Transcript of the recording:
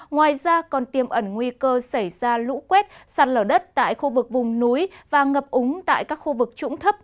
ngoài ra còn tiêm ẩn nguy cơ xảy ra lũ quét sạt lở đất tại khu vực vùng núi và ngập úng tại các khu vực trũng thấp